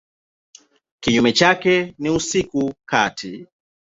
Kinyume chake ni usiku kati.